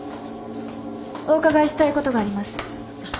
お伺いしたいことがあります。